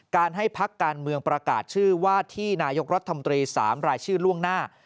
ให้พักการเมืองประกาศชื่อว่าที่นายกรัฐมนตรี๓รายชื่อล่วงหน้า